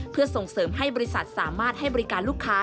เพื่อส่งเสริมให้บริษัทสามารถให้บริการลูกค้า